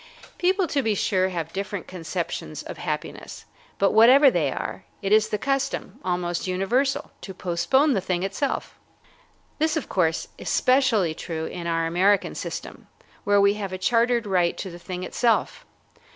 People, to be sure, have different conceptions of happiness, but whatever they are, it is the custom, almost universal, to postpone the thing itself. This, of course, is specially true in our American system, where we have a chartered right to the thing itself.